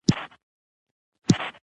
د دښمن له فکر او مِکره ناپوهي ده